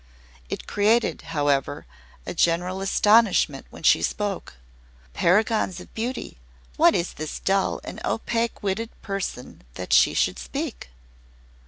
It created, however, a general astonishment when she spoke. "Paragons of beauty, what is this dull and opaque witted person that she should speak?"